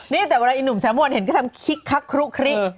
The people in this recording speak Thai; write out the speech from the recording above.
นี่แต่เวลานุ่มแซวปนหลวงเขาก็ทำคิคคล็กครู่คลิก